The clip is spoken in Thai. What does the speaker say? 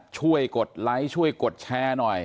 กดไลค์ช่วยกดแชร์หน่อย